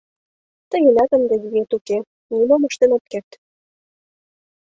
Тыйынат ынде виет уке, нимом ыштен от керт.